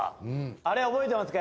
あれは覚えてますか？